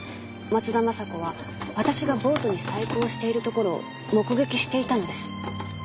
「松田雅子は私がボートに細工をしている所を目撃していたのです」